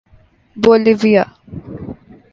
Bolivia